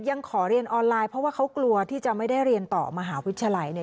ยังขอเรียนออนไลน์เพราะว่าเขากลัวที่จะไม่ได้เรียนต่อมหาวิทยาลัยเนี่ย